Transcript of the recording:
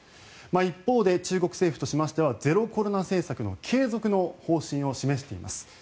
一方で、中国政府としましてはゼロコロナ政策の継続の方針を示しています。